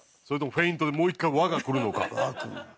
それともフェイントでもう一回和がくるのか。